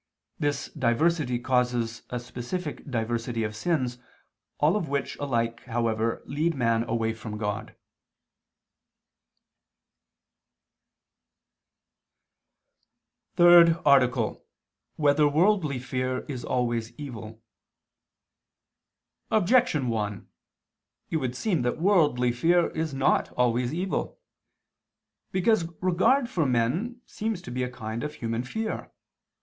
This diversity causes a specific diversity of sins, all of which alike however lead man away from God. _______________________ THIRD ARTICLE [II II, Q. 19, Art. 3] Whether Worldly Fear Is Always Evil? Objection 1: It would seem that worldly fear is not always evil. Because regard for men seems to be a kind of human fear.